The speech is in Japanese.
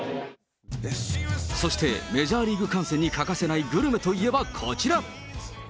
そして、メジャーリーグ観戦に欠かせないグルメといえばこちら。